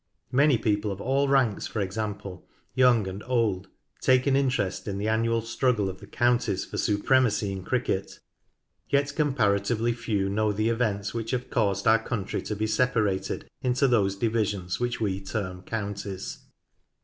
Many people of all ranks for example, young and old, take an interest in the annual struggle of the counties for supremacy in cricket. Yet comparatively few know the events which have caused our country to be separated into those divisions which we term counties.